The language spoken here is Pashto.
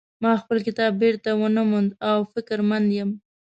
ما خپل کتاب بیرته ونه مونده او فکرمن یم